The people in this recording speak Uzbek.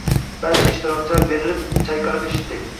Barcha ishtirokchilar berilib chayqalib eshitdik.